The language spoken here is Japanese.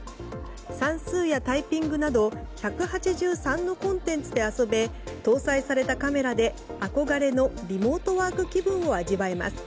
算数やタイピングなど１８３のコンテンツで遊べ搭載されたカメラで憧れのリモートワーク気分を味わえます。